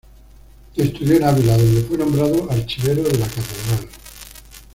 Estudió en Ávila, donde fue nombrado archivero de la catedral.